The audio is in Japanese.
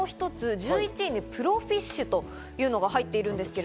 １１位にプロフィッシュというのが入っています。